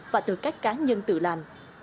và từ các cá nhân tự làm